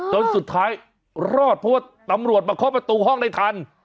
จนสุดท้ายรอดพวกตำรวจมาเข้าประตูห้องได้ทัน